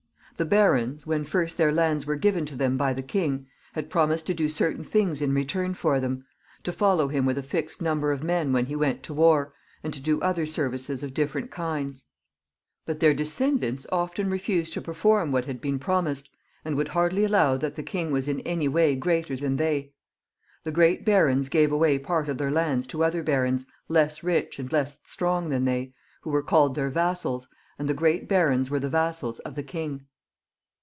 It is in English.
The barons, when first their lands were given to them by the king, had promised to do certain things in return for them ; to follow him with a fixed number of men when he went to war, and to do other services of different kinds ; but their descendants often refused to perform what had been promised, and would hardly allow that the king was in any way greater than they. The great barons gave away part of their lands to other barons, less rich and less strong than they, who were called their vassals, and the great barons were the vassals of the king.